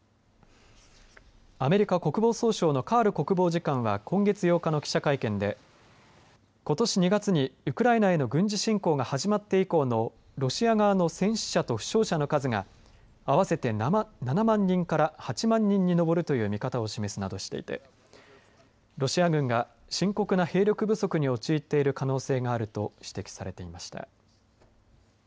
アメリカ国防総省のカール国防次官は今月８日の記者会見でことし２月にウクライナへの軍事進攻が始まって以降のロシア側の戦死者と負傷者の数が合わせて７万人から８万人に上るという見方を示すなどしていてロシア軍が深刻な兵力不足に陥っている可能性があると指摘されていました。